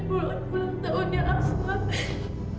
bulan bulan tahunnya asma